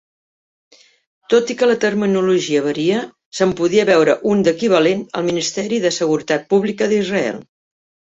Tot i que la terminologia varia, se'n podria veure un d'equivalent al Ministeri de Seguretat Pública d'Israel.